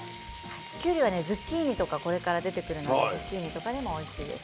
きゅうりはズッキーニとかこれから出てくるのでズッキーニとかでもおいしいです。